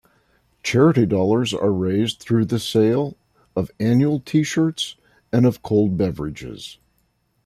Charity dollars are raised through the sale of annual tee-shirts, and of cold beverages.